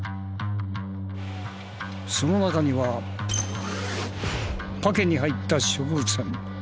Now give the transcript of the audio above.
その中にはパケに入った植物片。